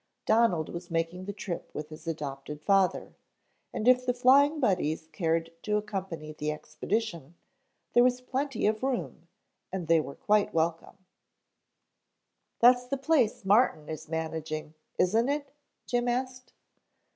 Donald was making the trip with his adopted father, and if the Flying Buddies cared to accompany the expedition, there was plenty of room and they were quite welcome. "That's the place Martin is managing, isn't it?" Jim asked.